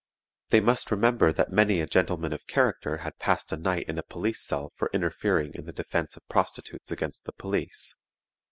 They must remember that many a gentleman of character had passed a night in a police cell for interfering in the defense of prostitutes against the police.